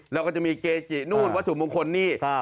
แล้วก็จะมีเกจินู่นวัตถุมงคลนี่